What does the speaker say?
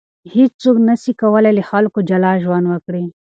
هیڅوک نسي کولای له خلکو جلا ژوند وکړي.